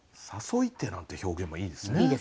「誘ひて」なんて表現もいいですね。